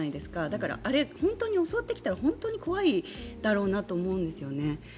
だからあれ、本当に襲ってきたら怖いと思うんですよね。